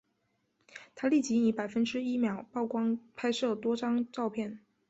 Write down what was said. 他立即以百分之一秒曝光拍摄多张照片。